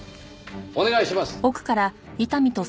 お願いします。